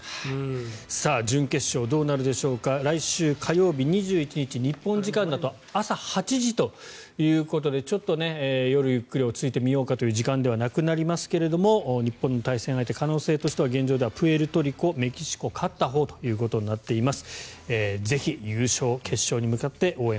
準決勝どうなるでしょうか来週火曜日２１日日本時間だと朝８時ということでちょっと夜、ゆっくり落ち着いて見ようかという時間ではなくなりますが日本の対戦相手現状では可能性としてメキシコ対プエルトリコ勝ったほうとなっています。